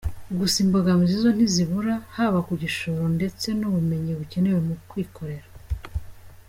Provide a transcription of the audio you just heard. Gusa imbogamizi zo ntizibura, haba ku gishoro ndetse n’ubumenyi bukenewe mu kwikorera.